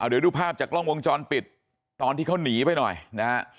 เดี๋ยวดูภาพจากกล้องวงจรปิดตอนที่เขาหนีไปหน่อยนะฮะ